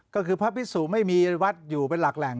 ก็คือพระพิสุไม่มีวัดอยู่เป็นหลักแหล่ง